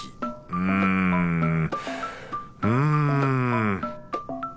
うんうん。